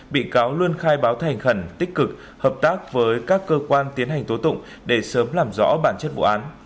bị cáo luôn khai báo thành khẩn tích cực hợp tác với các cơ quan tiến hành tố tụng để sớm làm rõ bản chất vụ án